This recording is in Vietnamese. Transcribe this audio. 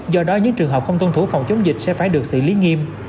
do đó những trường hợp không tuân thủ phòng chống dịch sẽ phải được xử lý nghiêm